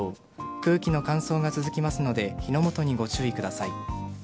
空気の乾燥が続きますので火の元にご注意ください。